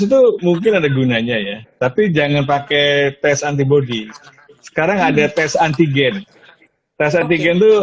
itu mungkin ada gunanya ya tapi jangan pakai tes antibody sekarang ada tes antigen tes antigen itu